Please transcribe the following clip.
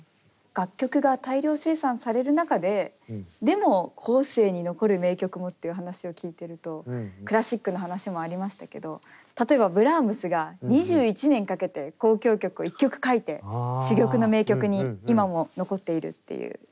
楽曲が大量生産される中ででも後世に残る名曲もっていう話を聞いてるとクラシックの話もありましたけど例えばブラームスが２１年かけて交響曲を一曲書いて珠玉の名曲に今も残っているっていう。